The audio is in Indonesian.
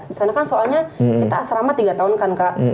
karena kan soalnya kita asrama tiga tahun kan kak